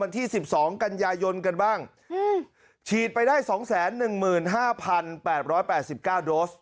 มันที่สิบสองกันยายนกันบ้างฉีดไปได้สองแสนหนึ่งหมื่นห้าพันแปบร้อยแปดสิบก้าโดส